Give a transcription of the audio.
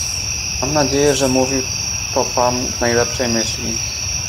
"Mam nadzieję, że mówił to pan w najlepszej myśli."